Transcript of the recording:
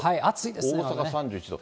大阪３１度。